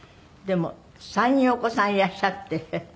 でも３人お子さんいらっしゃって。